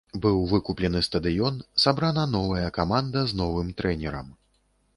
Быў выкуплены стадыён, сабрана новая каманда з новым трэнерам.